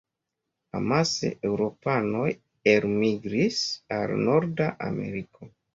Amase eŭropanoj elmigris al norda Ameriko.